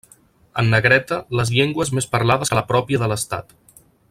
En negreta les llengües més parlades que la pròpia de l'Estat.